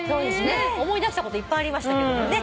思い出したこといっぱいありましたけどもね。